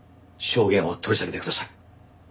証言を取り下げてください。